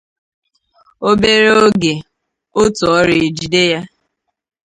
Obere oge otu ọrịa ejide ya.